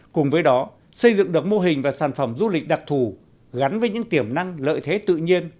cùng với đó xây dựng được mô hình và sản phẩm du lịch đặc thù gắn với những tiềm năng lợi thế tự nhiên